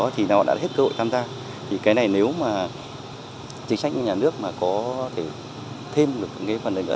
thì cái này nếu mà chính sách nhà nước mà có thể thêm được cái phần này nữa